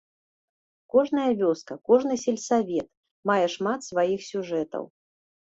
Кожная вёска, кожны сельсавет мае шмат сваіх сюжэтаў.